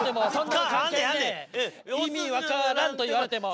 意味分からんと言われても。